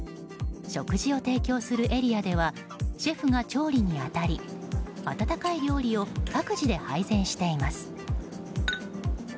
食事を提供するエリアではシェフが調理に当たり温かい料理を各自で配膳しています。